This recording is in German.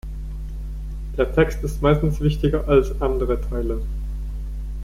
Der Text ist meistens wichtiger als andere Teile.